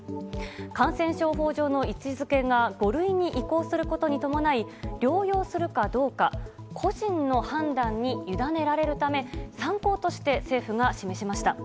感染症法上の位置づけが５類に移行することに伴い療養するかどうか個人の判断に委ねられるため参考として政府が示しました。